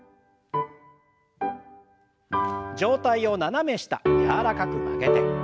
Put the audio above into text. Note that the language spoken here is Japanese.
上体を斜め下柔らかく曲げて。